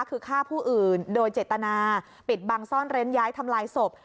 คือฆ่าผู้อื่นโดยเจตนาปิดบังซ่อนเร้นย้ายทำลายศพ